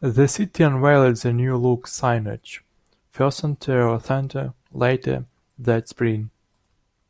The city unveiled the new look signage, FirstOntario Centre, later that spring.